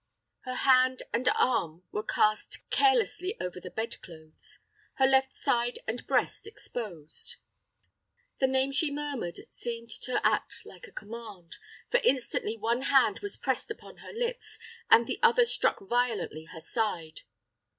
Her hand and arm were cast carelessly over the bed clothes; her left side and breast exposed. The name she murmured seemed to act like a command; for instantly one hand was pressed upon her lips, and the other struck violently her side.